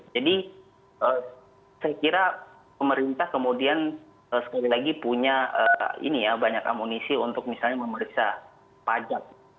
jadi saya kira pemerintah kemudian sekali lagi punya ini ya banyak amunisi untuk misalnya memeriksa pajak